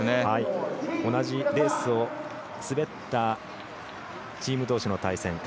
同じレースを滑ったチームどうしの対戦。